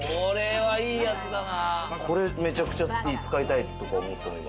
これめちゃくちゃ使いたいと思った。